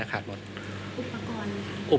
อุปกรณ์อย่างไรครับ